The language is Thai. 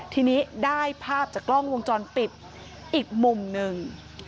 ทีนี้ได้ภาพจากกล้องวงจรปิดอีกมุมหนึ่ง